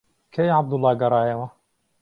کەی عەبدوڵڵا گەڕایەوە؟